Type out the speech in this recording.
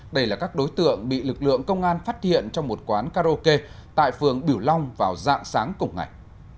đây là các đối tượng bị lực lượng công an phát hiện trong một quán karaoke tại phường biểu long vào dạng sáng cùng ngày